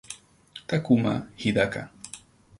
Takuma Hidaka